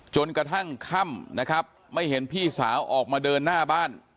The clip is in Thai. จนกระทั่งค่ำนะครับไม่เห็นพี่สาวออกมาเดินหน้าบ้าน